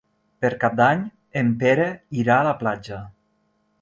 Per Cap d'Any en Pere irà a la platja.